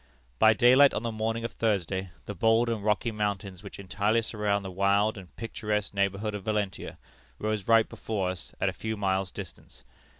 "By daylight on the morning of Thursday, the bold and rocky mountains which entirely surround the wild and picturesque neighborhood of Valentia, rose right before us at a few miles' distance.